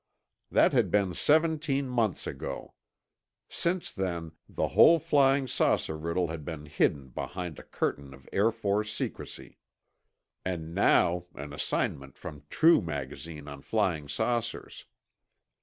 That had been seventeen months ago. Since then, the whole flying saucer riddle had been hidden behind a curtain of Air Force secrecy. And now, an assignment from True magazine on flying saucers.